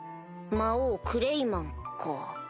魔王クレイマンか。